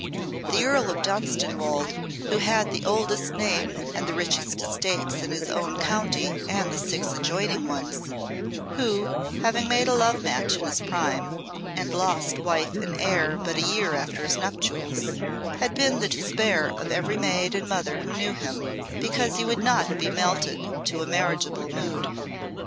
The Earl of Dunstanwolde, who had the oldest name and the richest estates in his own county and the six adjoining ones, who, having made a love match in his prime, and lost wife and heir but a year after his nuptials, had been the despair of every maid and mother who knew him, because he would not be melted to a marriageable mood.